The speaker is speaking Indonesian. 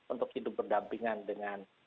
untuk hidup berdampingan dengan